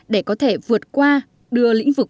để có thể vượt qua đưa lĩnh vực